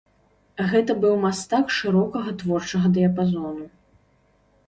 Гэта быў мастак шырокага творчага дыяпазону.